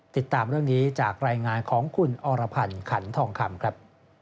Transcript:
ติดตามเรื่องนี้จากรายงานของคุณอรพันธ์ขันทองคำครับ